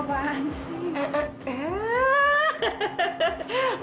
ibu apaan sih